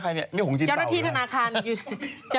นี่ใครเนี่ยนี่หงค์จีนเปล่าหรือเปล่า